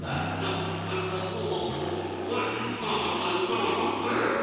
はい単純にうれしいですが彩ちゃんいかがでした？